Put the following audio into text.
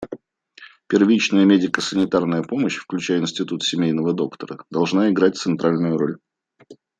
Первичная медико-санитарная помощь, включая институт семейного доктора, должна играть центральную роль.